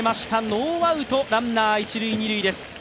ノーアウトランナー一・二塁です。